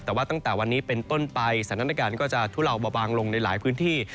แต่ว่าตั้งแต่วันนี้เป็นต้นไปสถานการณ์ก็จะทุเลาเบาบางลงในหลายพื้นที่